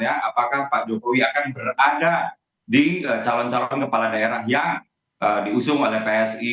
apakah pak jokowi akan berada di calon calon kepala daerah yang diusung oleh psi